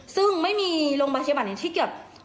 ซึ่งไม่มีโรงพยาบาลที่เกี่ยว